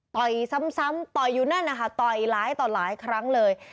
ซ้ำต่อยอยู่นั่นนะคะต่อยหลายต่อหลายครั้งเลย